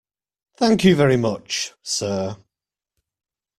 Thank you very much, sir.